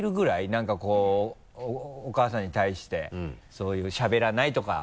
何かこうお母さんに対してそういうしゃべらないとかは。